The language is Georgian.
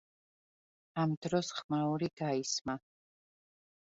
ამ დროს ხმაური გაისმა.